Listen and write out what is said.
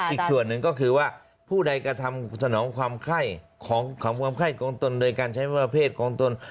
อีกส่วนหนึ่งก็คือว่าผู้ใดกระทำสนองความไข้ของความไข้ของตนโดยการใช้ประเภทของตน